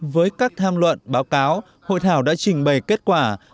với các tham luận báo cáo hội thảo đã trình bày kết quả